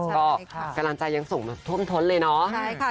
ก็กำลังใจยังส่งแบบท่วมท้นเลยเนาะ